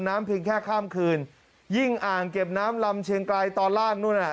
เพียงแค่ข้ามคืนยิ่งอ่างเก็บน้ำลำเชียงไกลตอนล่างนู่นน่ะ